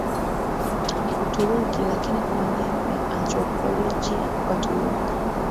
Uturuki Lakini kwa maneno ya anthropolojia Waturuki